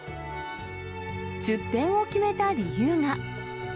出店を決めた理由が。